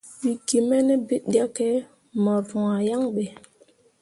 We ge me ne biɗǝkke mor rwah yan be.